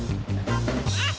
あっ！